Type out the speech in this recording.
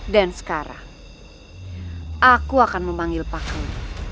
dan sekarang aku akan memanggil pakal